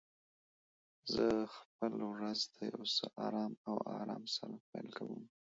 زه خپل ورځ د یو څه آرام او آرام سره پیل کوم.